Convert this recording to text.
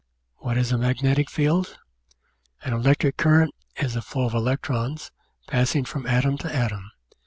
What is a magnetic field? An electric current is a flow of electrons, passing from atom to atom.